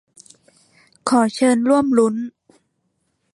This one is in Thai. ขอเชิญร่วมลุ้น !